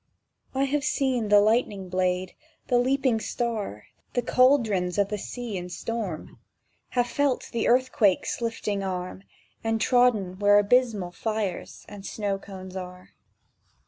I have seen the lightning blade, the leaping star, The cauldrons of the sea in storm, Have felt the earthquake's lifting arm, And trodden where abysmal fires and snow cones are.